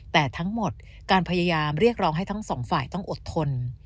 แต่ทั้งหมดการพยายามเรียกร้องให้ทั้งสองฝ่ายต้องอดทน